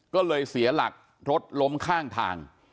ก็เลยเสียหลักรถล้มข้างทาง